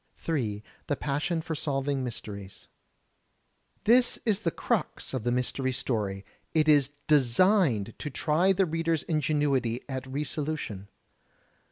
J. The Passion for Solving Mysteries This is the crux of the mystery story. It is designed to try the reader's ingenuity at re solution.